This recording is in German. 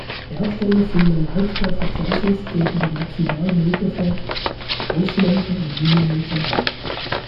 Hersteller vieler Lautsprecher-Chassis geben die maximal mögliche Auslenkung in Millimetern an.